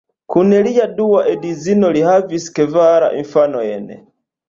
Kun lia dua edzino li havis kvar infanojn.